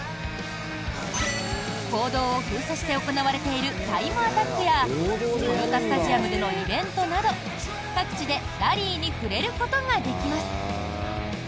公道を封鎖して行われているタイムアタックや豊田スタジアムでのイベントなど各地でラリーに触れることができます。